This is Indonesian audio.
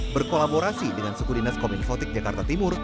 berkolaborasi dengan suku dinas kominfotik jakarta timur